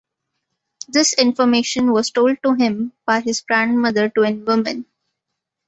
This information was told to him by his grandmother Twin Woman.